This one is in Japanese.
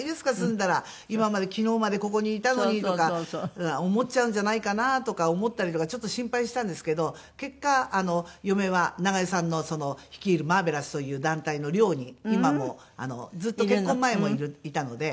今まで昨日までここにいたのにとか思っちゃうんじゃないかなとか思ったりとかちょっと心配したんですけど結果嫁は長与さんの率いるＭａｒｖｅｌｏｕｓという団体の寮に今もずっと結婚前もいたので。